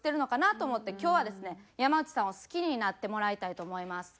今日はですね山内さんを好きになってもらいたいと思います。